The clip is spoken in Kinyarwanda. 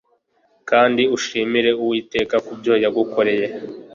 Kandi ushimire Uwiteka kubyo ya gukoreye